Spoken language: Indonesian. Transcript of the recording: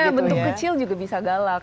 karena bentuk kecil juga bisa galak